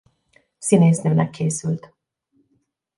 Színésznőnek készült.